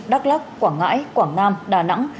đắk lắc quảng ngãi quảng nam đà nẵng